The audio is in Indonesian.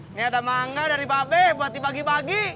ini ada manga dari babek buat dibagi bagi